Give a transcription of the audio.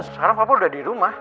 sekarang favor udah di rumah